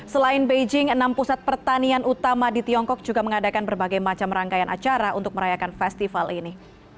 selain beijing enam pusat pertanian utama di tiongkok juga mengadakan berbagai macam rangkaian acara untuk merayakan festival ini